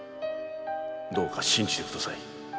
「どうか信じてください」